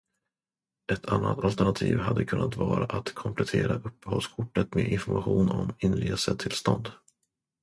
Ett annat alternativ hade kunnat vara att komplettera uppehållskortet med information om inresetillstånd.